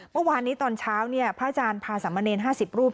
เมื่อวานนี้ตอนเช้าเนี่ยพระอาจารย์พาสามเนร๕๐รูป